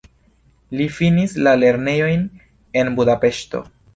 Li finis la lernejojn en Budapeŝto.